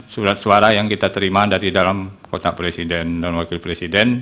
surat suara yang kita terima dari dalam kotak presiden dan wakil presiden